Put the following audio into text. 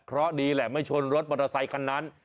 เพราะดีแหละไม่ชนรถมอเตอร์ไซคันนั้น